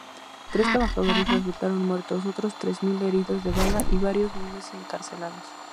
Tres trabajadores resultaron muertos, otros tres mil heridos de bala, y varios miles encarcelados.